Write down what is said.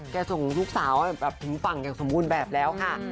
ส่งลูกสาวถึงฝั่งอย่างสมบูรณ์แบบแล้วค่ะ